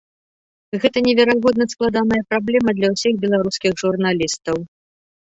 Гэта неверагодна складаная праблема для ўсіх беларускіх журналістаў.